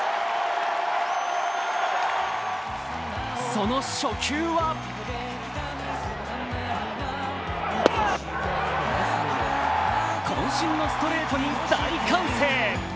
その初球はこん身のストレートに大歓声。